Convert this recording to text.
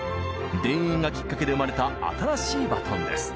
「田園」がきっかけで生まれた新しいバトンです。